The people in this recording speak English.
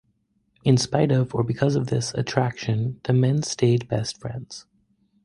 In spite of, or because of this attraction, the men stayed best friends.